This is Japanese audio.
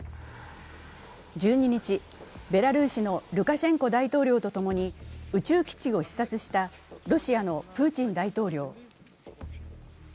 １２日、ベラルーシのルカシェンコ大統領と共に宇宙基地を視察したロシアのプーチン大統領。